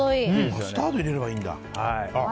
マスタード入れればいいんだ。